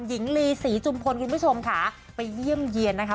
หญิงลีศรีจุมพลคุณผู้ชมค่ะไปเยี่ยมเยี่ยนนะคะ